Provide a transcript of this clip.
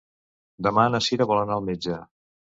Demà na Sira vol anar al metge.